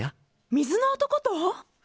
水の男と？